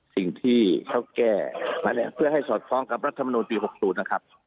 สิ่งที่เขาแก้มาเนี่ยเพื่อให้สอดคล้องกับรัฐมนุนปี๖๐นะครับ